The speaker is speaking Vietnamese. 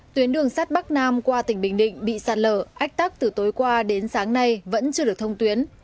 tuyến đường sắt bắc nam qua tỉnh bình định bị sạt lở ách tắc từ tối qua đến sáng nay vẫn chưa được thông tuyến